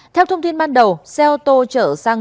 theo thông tin ban đầu xe ô tô chở xăng